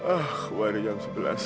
ah kembali jam sebelas